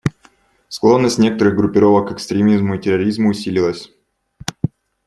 Склонность некоторых группировок к экстремизму и терроризму усилилась.